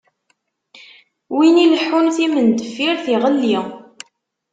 Win ileḥḥun timendeffirt, iɣelli.